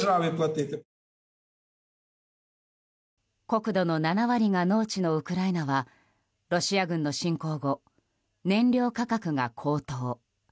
国土の７割が農地のウクライナはロシア軍の侵攻後燃料価格が高騰。